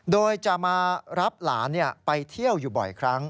โดยจะมารับหลานไปเที่ยวอยู่บ่อยครั้ง